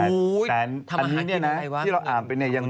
ยังไม่มีสีการะ